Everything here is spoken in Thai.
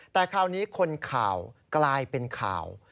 แต่คราวนี้คนข่าวกลายเป็นข่าว